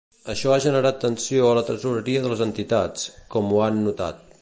Això ha generat tensió a la tresoreria de les entitats, que ho han notat.